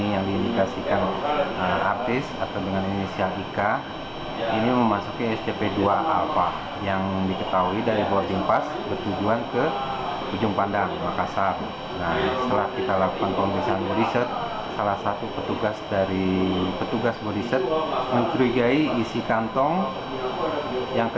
yang kedapatan sebungkus rokok